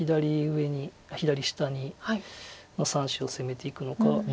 左下の３子を攻めていくのか。